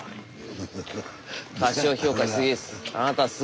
過小評価しすぎです。